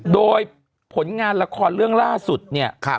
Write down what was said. โดยผลงานละครเรื่องล่าสุดเนี่ย